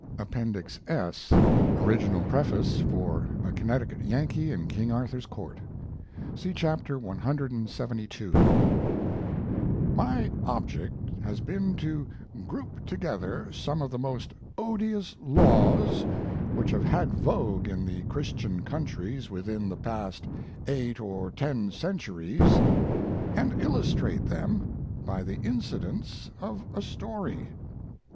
APPENDIX S ORIGINAL PREFACE FOR "A CONNECTICUT YANKEE IN KING ARTHUR'S COURT" (See Chapter clxxii) My object has been to group together some of the most odious laws which have had vogue in the Christian countries within the past eight or ten centuries, and illustrate them by the incidents of a story.